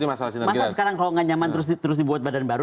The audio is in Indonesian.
masalah sekarang kalau gak nyaman terus dibuat badan baru